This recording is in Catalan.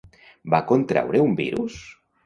Va contraure un virus?